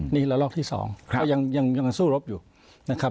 นี่ละลอกที่๒ก็ยังสู้รบอยู่นะครับ